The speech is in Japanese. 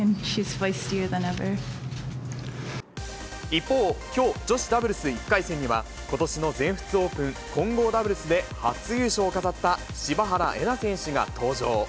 一方、きょう、女子ダブルス１回戦には、ことしの全仏オープン混合ダブルスで初優勝を飾った、柴原瑛菜選手が登場。